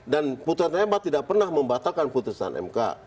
dan putusan ma tidak pernah membatalkan putusan mk